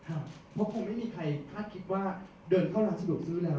ครับเพราะคงไม่มีใครพลาดคิดว่าเดินเข้าร้านส่วนสุดสุดแล้ว